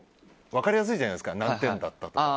分かりやすいじゃないですか何点だったとか。